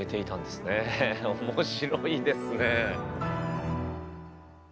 面白いですね。